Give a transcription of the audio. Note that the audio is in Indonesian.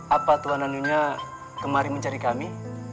apa tuan dan nyonya kemari mencari kami